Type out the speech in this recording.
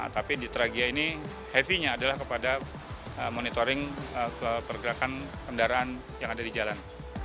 tapi di tragia ini heavy nya adalah kepada monitoring pergerakan kendaraan yang ada di jalan